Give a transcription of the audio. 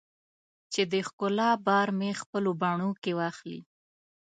چې د ښکلا بار مې خپلو بڼو کې واخلې